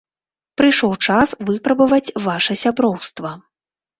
Прыйшоў час выпрабаваць ваша сяброўства.